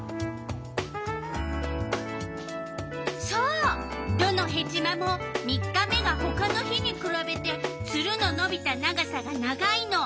そうどのヘチマも３日目がほかの日にくらべてツルののびた長さが長いの。